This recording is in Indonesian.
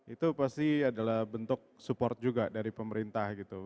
itu pasti adalah bentuk support juga dari pemerintah gitu